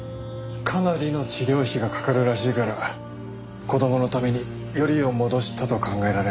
かなりの治療費がかかるらしいから子供のためによりを戻したと考えられないか？